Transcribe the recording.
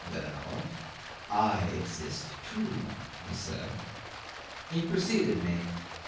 "Well I exist, too," he said. 'He preceded me.